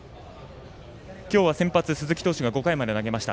今日は先発、鈴木投手が５回まで投げました。